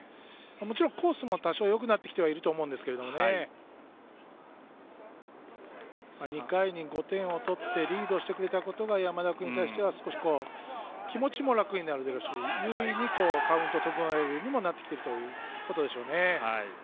もちろんコースも多少よくなってきてはいると思うんですけど２回に５点を取ってリードしてくれたことが山田君に対しては気持ちも楽になるし優位にカウントを整えるようにもなってきてるということですね。